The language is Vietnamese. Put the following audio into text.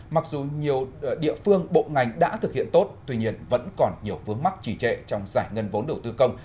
mặc dù nhiều địa phương bộ ngành đã thực hiện tốt tuy nhiên vẫn còn nhiều vướng mắc trì trệ trong giải ngân vốn đầu tư công